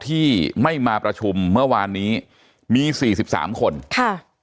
ที่ไม่มาประชุมเมื่อวานนี้มีสี่สิบสามคนค่ะ